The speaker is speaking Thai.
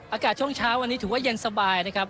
อากาศช่วงเช้าวันนี้ถือว่าเย็นสบายนะครับ